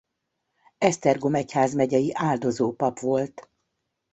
Esztergom egyházmegyei áldozópap volt.